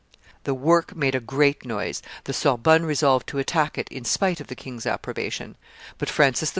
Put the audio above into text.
The work made a great noise; the Sorbonne resolved to attack it, in spite of the king's approbation; but Francis I.